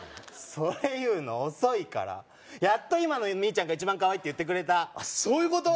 それ言うの遅いからやっと今のミーちゃんが一番カワイイって言ってくれたそういうこと？